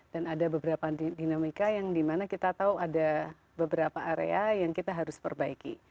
dan ada beberapa dinamika yang dimana kita tahu ada beberapa area yang kita harus perbaiki